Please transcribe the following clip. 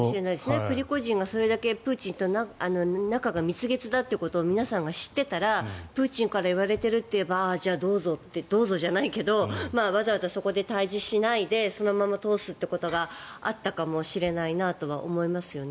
プリゴジンがそれだけプーチンと仲が蜜月だということを皆さんが知っていたらプーチンから言われているといえばじゃあ、どうぞじゃないけどわざわざそこで対峙しないでそのまま通すということがあったかもしれないなと思いますよね。